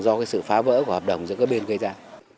do sự phá vỡ của hợp đồng giữa các bên cây gia